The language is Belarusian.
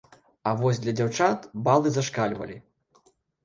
А вось для дзяўчат балы зашкальвалі.